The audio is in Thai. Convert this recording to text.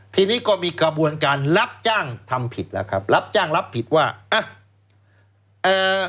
ทีนี้ก็มีกระบวนการรับจ้างทำผิดแล้วครับรับจ้างรับผิดว่าอ่ะเอ่อ